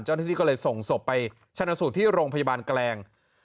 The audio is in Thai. เจ้าหน้าที่ก็เลยส่งศพไปชนะสูตรที่โรงพยาบาลแกลง